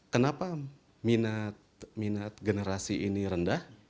kenapa minat minat generasi ini rendah